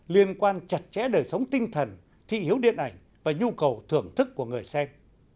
liên quan chặt chẽ đời sống tinh thần thị hiếu điện ảnh và nhu cầu thưởng thức của người xem